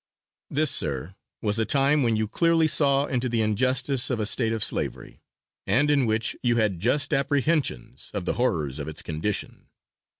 "This, sir, was a time when you clearly saw into the injustice of a state of Slavery, and in which you had just apprehensions of the horrors of its condition.